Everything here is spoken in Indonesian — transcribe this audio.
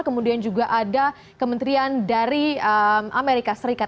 kemudian juga ada kementerian dari amerika serikat